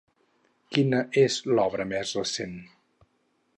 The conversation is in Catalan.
Quina és l'obra més recent?